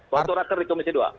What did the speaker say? waktu raker di komisi dua